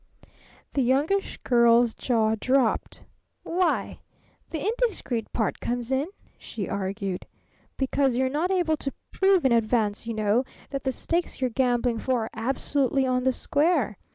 The Youngish Girl's jaw dropped. "Why, the 'indiscreet' part comes in," she argued, "because you're not able to prove in advance, you know, that the stakes you're gambling for are absolutely 'on the square.'